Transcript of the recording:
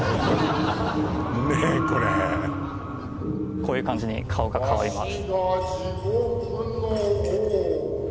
こういう感じに顔が変わります